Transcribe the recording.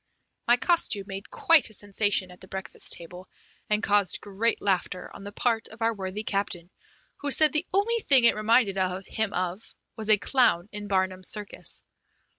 My costume made quite a sensation at the breakfast table, and caused great laughter on the part of our worthy captain, who said the only thing it reminded him of was a clown in Barnum's circus.